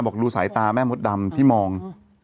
บอกดูสายตาแม่มดดำที่มอง